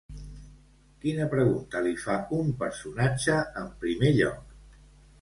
Quina pregunta li fa un personatge en primer lloc?